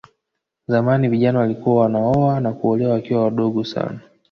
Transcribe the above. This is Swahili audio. Zamani vijana walikuwa wanaoa na kuolewa wakiwa wadogo sana